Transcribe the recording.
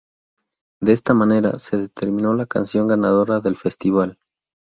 De esta manera, se determinó la canción ganadora del Festival.